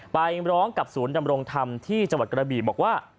ไปร้องกับศูนย์ดำรงธรรมที่จังหวัดกระบีบอกว่า